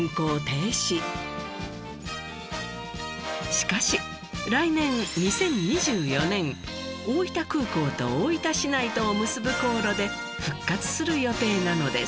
しかし来年２０２４年大分空港と大分市内とを結ぶ航路で復活する予定なのです。